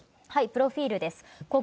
プロフィールです。